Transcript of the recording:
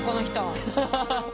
ハハハハッ。